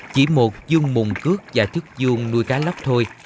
chỉ một dương mùng cước và thước dương nuôi cá lóc thôi